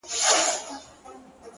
• كه څه هم په دار وځړوو،